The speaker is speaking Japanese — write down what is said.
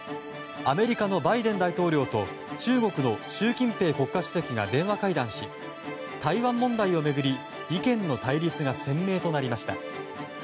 アメリカのバイデン大統領と中国の習近平国家主席が電話会談し台湾問題を巡り意見の対立が鮮明となりました。